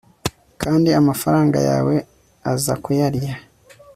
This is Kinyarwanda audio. Kandi amafaranga yawe azayakurya